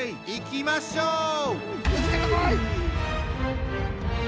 いきましょう！